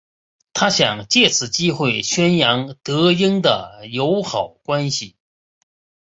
他想借此机会宣扬德英的友好关系。